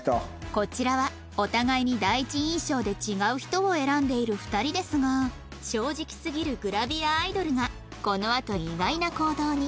こちらはお互いに第一印象で違う人を選んでいる２人ですが正直すぎるグラビアアイドルがこのあと意外な行動に